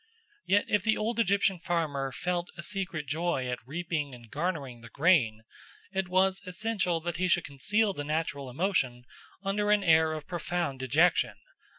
Yet if the old Egyptian farmer felt a secret joy at reaping and garnering the grain, it was essential that he should conceal the natural emotion under an air of profound dejection.